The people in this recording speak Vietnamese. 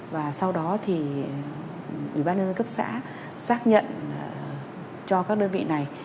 và sau đó thì ủy ban nhân dân cấp xã xác nhận cho các đơn vị này